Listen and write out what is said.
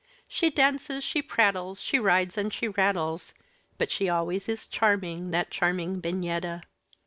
She dances, she prattles, She rides and she rattles; But she always is charming that charming Bignetta!